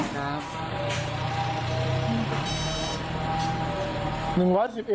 ครับ